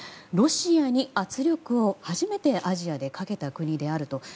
ロシアに圧力を、初めてアジアでかけた国であると。